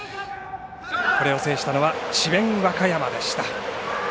これを制したのは智弁和歌山でした。